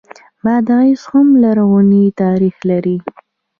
بادغیس هم لرغونی تاریخ لري